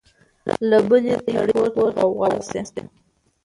له بلي تړي پورته غوغا سي